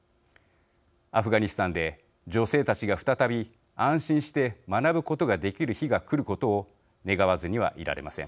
アフガニスタンで女性たちが再び安心して学ぶことができる日が来ることを願わずにはいられません。